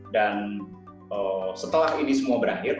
dan setelah ini semua berakhir